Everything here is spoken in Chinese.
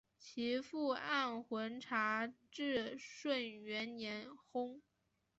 其父按浑察至顺元年薨。